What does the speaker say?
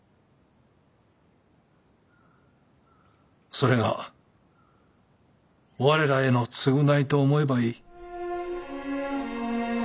それが我らへの償いと思えばいい。